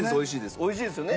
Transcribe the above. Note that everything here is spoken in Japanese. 美味しいですよね。